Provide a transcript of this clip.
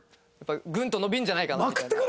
ぐんと伸びるんじゃないかなみたいな。